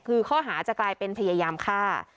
คือข้อหาจะกลายเป็นพยายามฆ่า